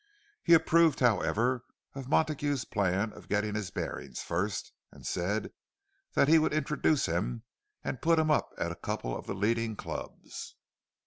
He approved, however, of Montague's plan of getting his bearings first; and said that he would introduce him and put him up at a couple of the leading clubs.